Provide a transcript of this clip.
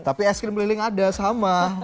tapi es krim keliling ada sama